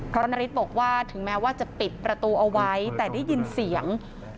เพราะนาริสบอกว่าถึงแม้ว่าจะปิดประตูเอาไว้แต่ได้ยินเสียง